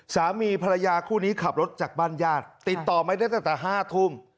สามีภรรยาคู่นี้ขับรถจากบ้านญาติติดต่อไม่ได้ตั้งแต่๕ทุ่ม